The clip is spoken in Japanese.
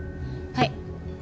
はい。